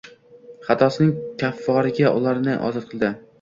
Xatosining kafforatiga ularni ozod qildi